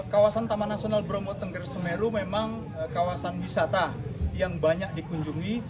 kawasan taman nasional bromo tengger semeru memang kawasan wisata yang banyak dikunjungi